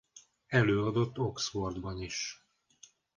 Előadott Oxfordban is.